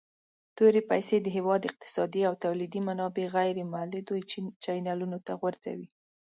تورې پیسي د هیواد اقتصادي او تولیدي منابع غیر مولدو چینلونو ته غورځوي.